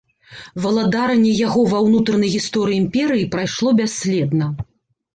Валадаранне яго ва ўнутранай гісторыі імперыі прайшло бясследна.